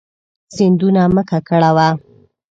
سیندونه مه ککړوه.